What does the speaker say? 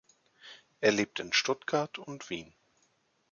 Er lebt in Stuttgart und Wien.